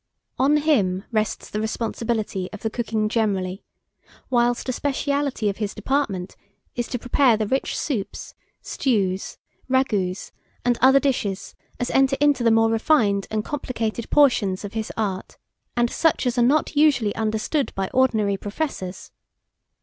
On him rests the responsibility of the cooking generally, whilst a speciality of his department, is to prepare the rich soups, stews, ragouts, and such dishes as enter into the more refined and complicated portions of his art, and such as are not usually understood by ordinary professors.